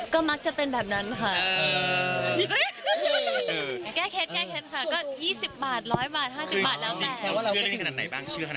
เขาเป็นแค่ไม่กี่วันค่ะเดี๋ยวเป็นนานกว่า